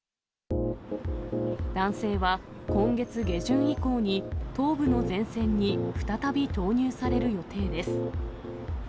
男性は今月下旬以降に、東部の前線に再び投入される予定です。